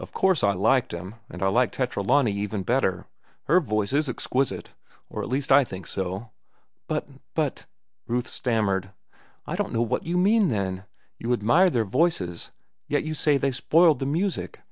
"Of course I liked him, and I liked Tetralani even better. Her voice is exquisite—or at least I think so." "But, but—" Ruth stammered. "I don't know what you mean, then. You admire their voices, yet say they spoiled the music."